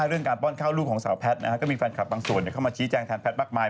เรื่องการป้อนข้าวลูกของสาวแพทย์ก็มีแฟนคลับบางส่วนเข้ามาชี้แจงแทนแพทย์มากมาย